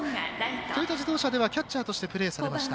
トヨタ自動車ではキャッチャーとしてプレーされました。